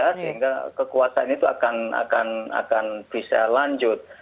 sehingga kekuatan itu akan bisa lanjut